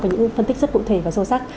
với những phân tích rất cụ thể và sâu sắc